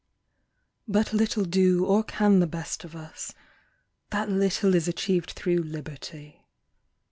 But little do or can the best of us: That little is achieved through Liberty.